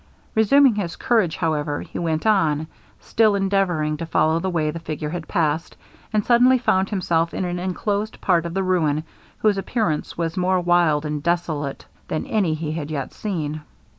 Resuming his courage, however, he went on, still endeavouring to follow the way the figure had passed, and suddenly found himself in an enclosed part of the ruin, whose appearance was more wild and desolate than any he had yet seen.